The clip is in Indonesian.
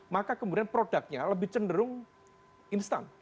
maka kemudian produknya lebih cenderung instan